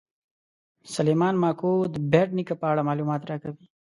سلیمان ماکو د بېټ نیکه په اړه معلومات راکوي.